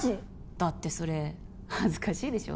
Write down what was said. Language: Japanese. だってそれ恥ずかしいでしょ？